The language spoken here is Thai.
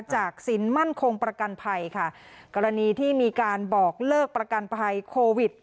สินมั่นคงประกันภัยค่ะกรณีที่มีการบอกเลิกประกันภัยโควิด